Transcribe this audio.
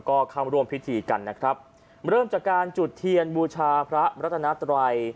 ก็เข้าร่วมพิธีกันนะครับเริ่มจากการจุดเทียนบูชาพระรัตนาตรัย